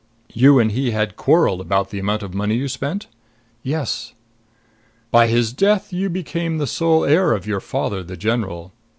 "You and he had quarreled about the amount of money you spent?" "Yes." "By his death you became the sole heir of your father, the general.